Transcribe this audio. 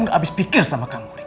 om gak habis pikir sama kamu rick